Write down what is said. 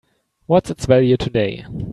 What's its value today?